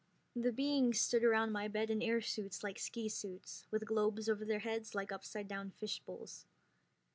_ The beings stood around my bed in air suits like ski suits, with globes over their heads like upside down fishbowls.